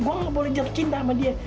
gue gak boleh cinta sama dia